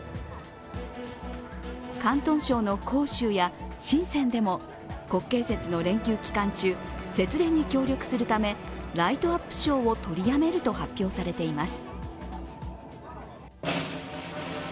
広東省の広州や深センでも国慶節の連休期間中、節電に協力するためライトアップショーを取りやめると発表されています。